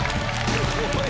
すごい！